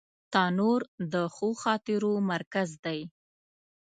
تنور د ښو خاطرو مرکز دی